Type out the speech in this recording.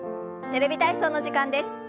「テレビ体操」の時間です。